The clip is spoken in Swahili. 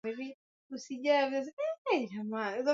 hupendezwa na wawindaji wa binadamu ambao kuna wastani